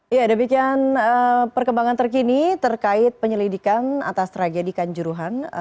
ya demikian perkembangan terkini terkait penyelidikan atas tragedi kanjuruhan